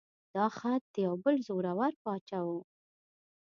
دا خط د یو بل زوره ور باچا و.